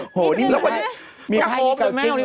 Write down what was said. โอ้โฮนี่มันมีไฟมีเกาะจริงเลย